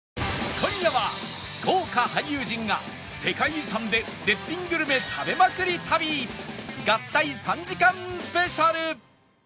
今夜は豪華俳優陣が世界遺産で絶品グルメ食べまくり旅合体３時間スペシャル